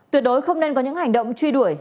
tuyệt đối không nên có những hành động truy đuổi